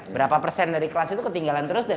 berapa persen dari kelas itu ketinggalan terus dan